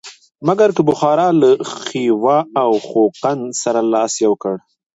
مګر که بخارا له خیوا او خوقند سره لاس یو کړي.